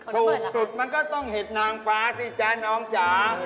ถูกสุดมันก็ต้องเห็ดนางฟ้าสิจ๊ะน้องจ๋า